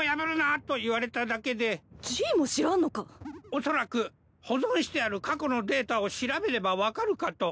おそらく保存してある過去のデータを調べれば分かるかと。